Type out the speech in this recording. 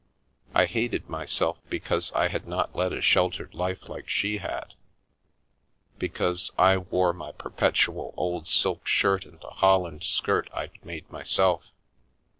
I hated myself because I had not led a sheltered life like she had, because I wore my perpetual old silk shirt and a holland skirt I'd made myself.